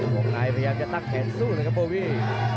พวกนายพยายามจะตั้งแขนสู้นะครับโบวี่